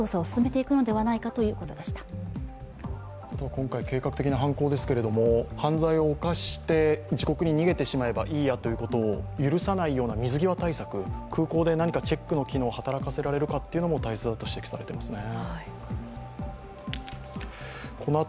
今回、計画的な犯行ですけれども、犯罪を犯して自国に逃げてしまえばいいやということを許さないような水際対策、空港で何かチェックの体制を働かさせられるかも大切だと指摘されていますね。